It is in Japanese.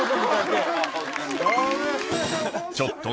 ちょっと